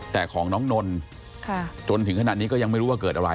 แต่ของน้องนนจนถึงขนาดนี้ก็ยังไม่รู้ว่าเกิดอะไร